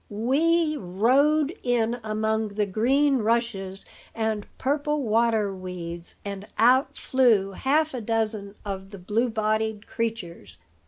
Wee rowed in among the green rushes and purple water weeds, and out flew half a dozen of the blue bodied creatures.